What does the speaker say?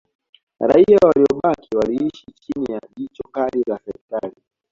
Raia waliobaki waliishi chini ya jicho kali la Serikali